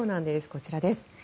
こちらです。